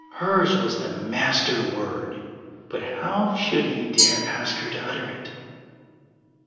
Hers was the master word, but how should he dare ask her to utter it?